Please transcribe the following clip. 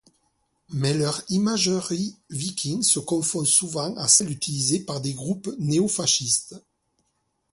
Mais leur imagerie viking se confond souvent à celle utilisée par des groupes néofascistes.